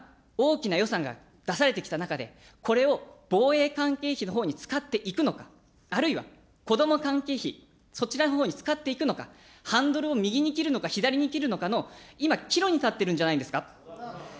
大きく言うならば、今、大きな予算が出されてきた中で、これを防衛関係費のほうに使っていくのか、あるいは、子ども関係費、そちらのほうに使っていくのか、ハンドルを右に切るのか左に切るのかの、今、岐路に立っているんじゃないですか。